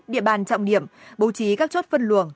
địa bàn trọng điểm bố trí các chốt phân luồng